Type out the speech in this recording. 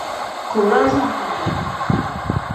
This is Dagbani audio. ka o daa zaŋ o ti gbuɣi bahi duli.